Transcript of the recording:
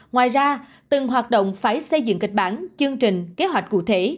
ngoài ra từng hoạt động phải xây dựng kịch bản chương trình kế hoạch cụ thể